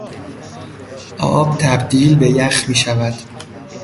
آب تبدیل به یخ میشود.